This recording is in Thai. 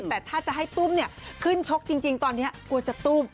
แต่ถ้าจะให้ตุ้มขึ้นชกจริงตอนนี้กลัวจะตุ้ม